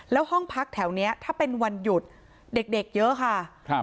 แล้วห้องพักแถวนี้ถ้าเป็นวันหยุดเด็กเยอะค่ะ